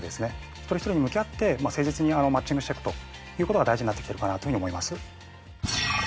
一人一人に向き合って誠実にマッチングしてくということが大事になってきてるかなというふうに思います。